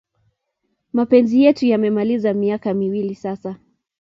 Mapenzi yetu yamemaliza miaka miwili sasa